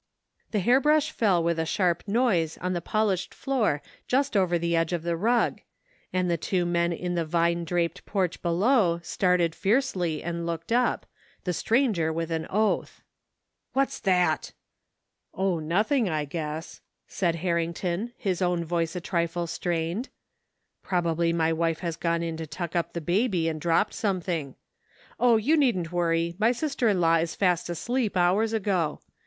The hairbrush fell with a sharp noise on the polished floor just over the edge of the rug, and the two men in the vine draped porch below started fiercely and looked up, the stranger with an oath. "What's that?" " Oh, nothing, I guess," said Harrington, his own 116 THE FINDING OF JASPER HOLT voice a trifle strained. " Probably my wife has gone in to tuck up the baby and dropped something Oh, you needn't worry, my sister in law is fast asleep hours ago.